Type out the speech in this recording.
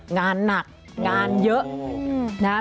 งานหนักงานเยอะ